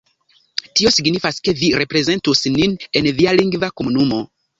Tio signifas, ke vi reprezentus nin en via lingva komunumo